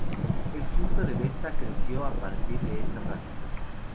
El culto de Vesta creció a partir de esta práctica.